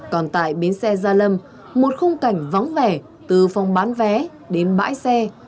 còn tại bến xe gia lâm một khung cảnh vắng vẻ từ phòng bán vé đến bãi xe